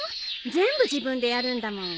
全部自分でやるんだもん。